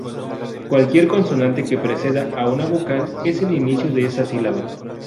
Cualquier consonante que precede a una vocal es el inicio de esa sílaba.